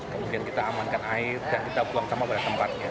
kemudian kita amankan air dan kita buang sampah pada tempatnya